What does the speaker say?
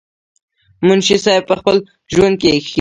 منشي صېب پۀ خپل ژوند کښې